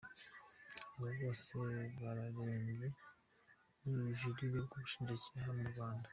Abo bose bararebwa n’ubujurire bw’ubushinjacyaha bw’u Rwanda.